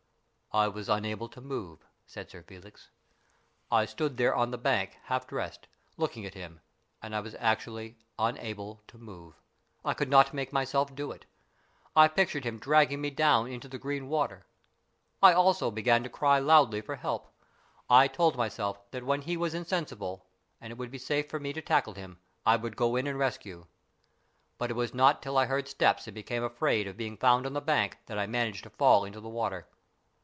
" I was unable to move," said Sir Felix. " I stood there on the bank half dressed, looking at him, and I was actually unable to move. I could not make myself do it. I pictured him dragging me down into the green water. I also began to call loudly for help. I told myself that when he was insensible, and it would be safe for me to tackle him, I would go in and rescue, but it was not till I heard steps and became afraid of being found on the bank that I managed to fall into the water.